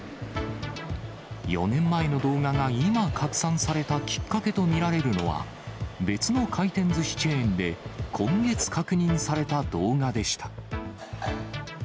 ４年前の動画が今、拡散されたきっかけと見られるのは、別の回転ずしチェーンで今月確認された動画でした。